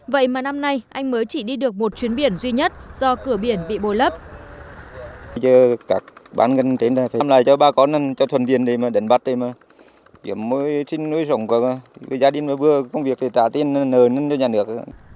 vậy mà năm nay anh mới chỉ đi được một chuyến biển duy nhất do cửa biển bị bồi lấp